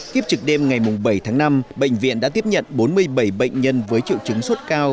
kiếp trực đêm ngày bảy tháng năm bệnh viện đã tiếp nhận bốn mươi bảy bệnh nhân với triệu chứng sốt cao